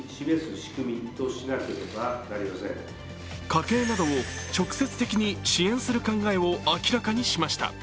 家計などを直接的に支援する考えを明らかにしました。